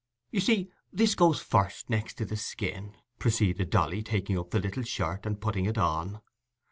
You see this goes first, next the skin," proceeded Dolly, taking up the little shirt, and putting it on.